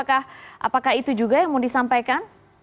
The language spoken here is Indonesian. apakah itu juga yang mau disampaikan